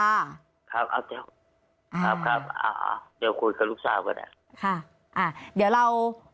ครับครับเดี๋ยวคุยกับลูกสาวก็ได้